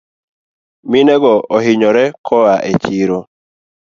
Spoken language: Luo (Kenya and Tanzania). Minego ohinyore koa echiro